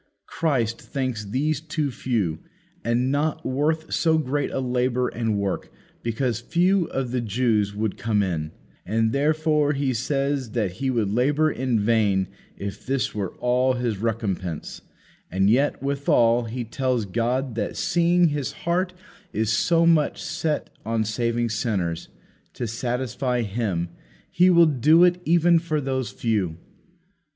Christ thinks these too few, and not worth so great a labour and work, because few of the Jews would come in; and therefore He says that He would labour in vain if this were all His recompense; and yet withal He tells God that seeing His heart is so much set on saving sinners, to satisfy Him, He will do it even for those few.